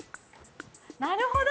なるほど！